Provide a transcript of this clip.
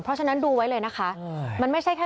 เพราะฉะนั้นดูไว้เลยนะคะ